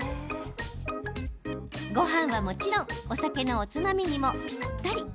ごはんはもちろんお酒のおつまみにもぴったり。